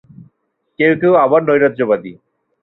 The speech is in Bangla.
কেউ কেউ আবার নৈরাজ্যবাদী।